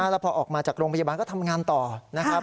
แล้วพอออกมาจากโรงพยาบาลก็ทำงานต่อนะครับ